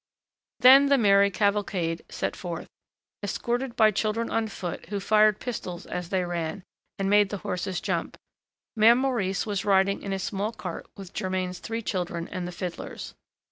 Then the merry cavalcade set forth, escorted by children on foot, who fired pistols as they ran and made the horses jump. Mère Maurice was riding in a small cart with Germain's three children and the fiddlers.